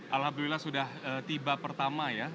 alhamdulillah sudah tiba pertama ya